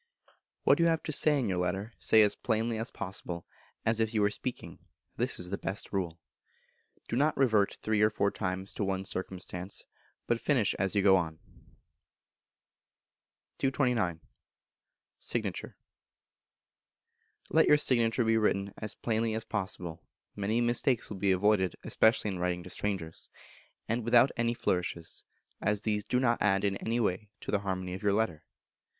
What you have to say in your Letter, say as plainly as possible, as if you were speaking; this is the best rule. Do not revert three or four times to one circumstance, but finish as you go on. 229. Signature. Let your signature be written as plainly as possible (many mistakes will be avoided, especially in writing to strangers), and without any flourishes, as these do not add in any way to the harmony of your letter.